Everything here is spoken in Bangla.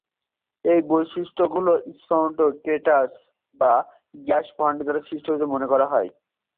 এই বৈশিষ্ট্যগুলি ইম্প্যাক্ট ক্রেটার বা গ্যাস ভেন্ট দ্বারা সৃষ্ট বলে মনে করা হয়।